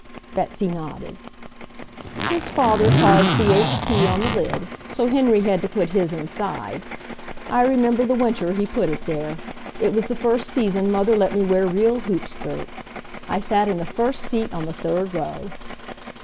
Betsy nodded. "His father carved the H. P. on the lid, so Henry had to put his inside. I remember the winter he put it there. It was the first season Mother let me wear real hoop skirts. I sat in the first seat on the third row."